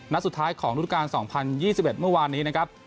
สุดท้ายของรุ่นการ๒๐๒๑เมื่อวานนี้นะครับ